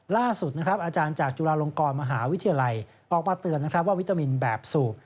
ล่าสุดนะครับอาจารย์จากจุฬาลงกรมหาวิทยาลัยออกมาเตือนนะครับว่าวิตามินแบบสูบ